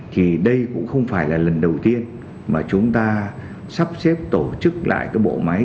thì đây cũng không phải là lần đầu tiên mà chúng ta sắp xếp tổ chức lại cái bộ máy